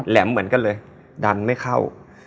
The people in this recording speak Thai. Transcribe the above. แหมเหมือนกันเลยดันไม่เข้า